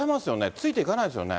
ついていかないですよね。